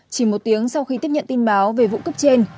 chỉ một tiếng sau khi tiếp nhận tin báo về vụ cấp trên